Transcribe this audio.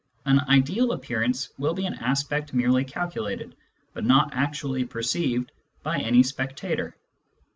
An "ideal" appearance will be an aspect merely calculated, but not actually perceived by any spectator.